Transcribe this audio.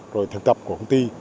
rồi thực tập của công ty